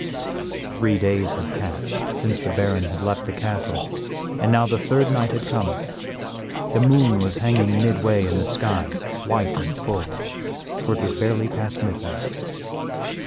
Three days had passed since the Baron had left the castle, and now the third night had come. The moon was hanging midway in the sky, white and full, for it was barely past midnight.